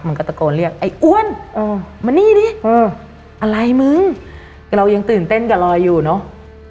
มันก็ตะโกนเรียกไอ้อ้วนมานี่ดิเอออะไรมึงเรายังตื่นเต้นกับรอยอยู่เนอะ